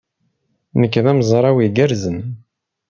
Nekk d amezraw igerrzen.